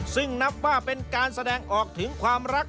ซึ่งนับว่าเป็นการแสดงออกถึงความรัก